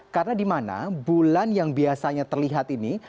karena di mana bulan yang biasanya terlihat ini